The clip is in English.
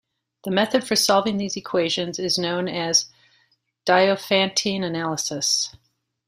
The method for solving these equations is known as Diophantine analysis.